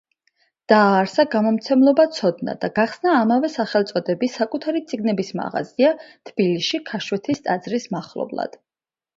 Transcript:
დააარსა გამომცემლობა „ცოდნა“ და გახსნა ამავე სახელწოდების საკუთარი წიგნების მაღაზია თბილისში ქაშვეთის ტაძრის მახლობლად.